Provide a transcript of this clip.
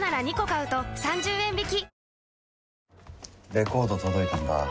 レコード届いたんだ